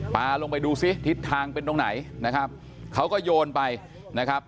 ลงไปดูซิทิศทางเป็นตรงไหนนะครับเขาก็โยนไปนะครับ